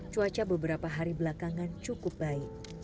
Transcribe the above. cuaca beberapa hari belakangan cukup baik